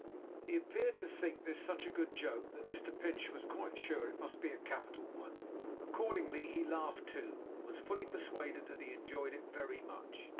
He appeared to think this such a good joke, that Mr Pinch was quite sure it must be a capital one. Accordingly, he laughed too, and was fully persuaded that he enjoyed it very much.